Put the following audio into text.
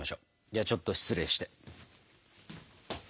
ではちょっと失礼して。